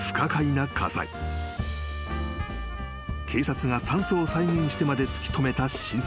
［警察が山荘を再現してまで突き止めた真相］